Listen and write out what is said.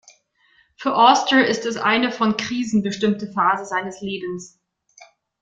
Für Auster ist es eine von Krisen bestimmte Phase seines Lebens.